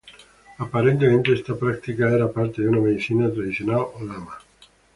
Aparentemente esta práctica era parte de una medicina tradicional lama.